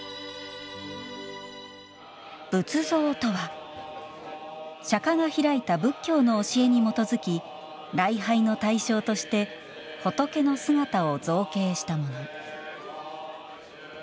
仏像とは、釈迦が開いた仏教の教えに基づき礼拝の対象として仏の姿を造形したもの。